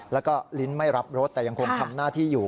แล้วก็ลิ้นไม่รับรสแต่ยังคงทำหน้าที่อยู่